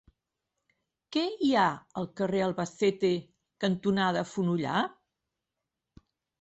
Què hi ha al carrer Albacete cantonada Fonollar?